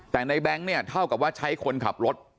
แต่ในแบงค์เนี่ยเท่ากับว่าใช้คนขับรถ